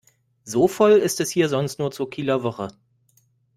So voll ist es hier sonst nur zur Kieler Woche.